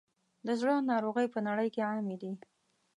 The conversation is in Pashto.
د زړه ناروغۍ په نړۍ کې عامې دي.